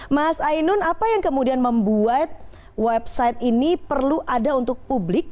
mas ainun apa yang kemudian membuat website ini perlu ada untuk publik